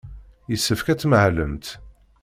Yessefk ad tmahlemt.